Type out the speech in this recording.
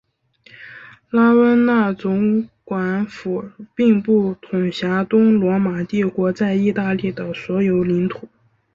拉温纳总管府并不统辖东罗马帝国在意大利的所有领土。